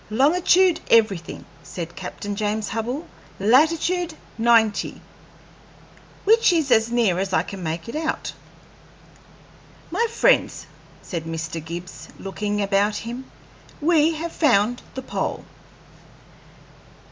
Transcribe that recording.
"Longitude everything," said Captain James Hubbell, "latitude ninety, which is as near as I can make it out." "My friends," said Mr. Gibbs, looking about him, "we have found the pole."